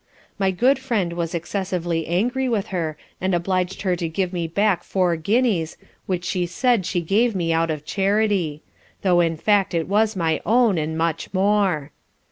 My good friend was excessively angry with her and obliged her to give me back four guineas, which she said she gave me out of charity: Though in fact it was my own, and much more.